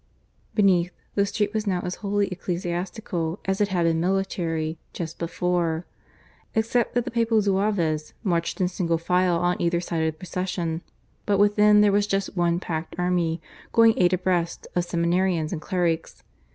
Beneath, the street was now as wholly ecclesiastical as it had been military just before, except that the Papal zouaves marched in single file on either side of the procession. But within there was just one packed army, going eight abreast, of seminarians and clerics.